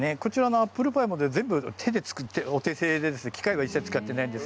アップルパイも全部手で作ってお手製で機械は一切使っていないんです。